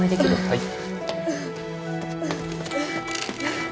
はい。